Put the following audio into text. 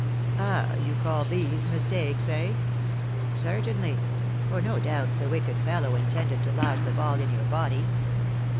"Ah, you call these mistakes, eh?" "Certainly; for, no doubt, the wicked fellow intended to lodge the ball in your body."